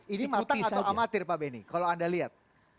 ini matang atau amatir pak benny kalau anda lihat